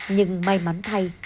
nhưng may mắn thay